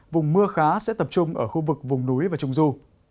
vùng mưa khá sẽ tập trung ở khu vực vùng núi và trùng ru